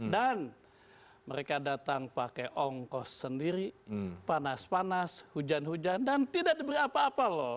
dan mereka datang pakai ongkos sendiri panas panas hujan hujan dan tidak diberi apa apa loh